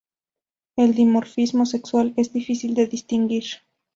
El dimorfismo sexual es difícil de distinguir.